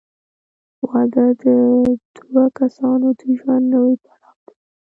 • واده د دوه کسانو د ژوند نوی پړاو دی.